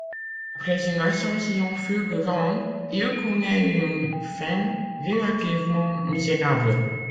Après une ascension fulgurante, il connaît une fin relativement misérable.